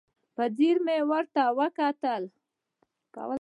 په ځیر مې ورته وکتل.